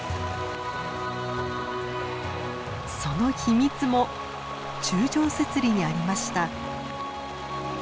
その秘密も柱状節理にありました。